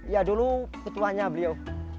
ya dulu ketuanya beliau